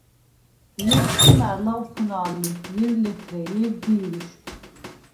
ჲერ სგჷმა̈რ ლავფუნალვ ლიხ, ჲერ – ლეთრე, ჲერ – დი̄რიშ.